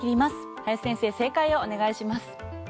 林先生、正解をお願いします。